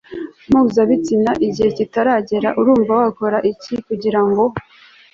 mpuzabitsina igihe kitaragera Urumva wakora iki kugira ngo